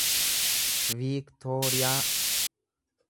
viiktooriyaa